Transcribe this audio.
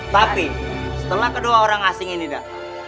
tapi setelah kedua orang asing ini dah